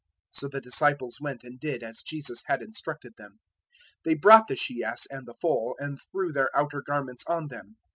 '" 021:006 So the disciples went and did as Jesus had instructed them: 021:007 they brought the she ass and the foal, and threw their outer garments on them.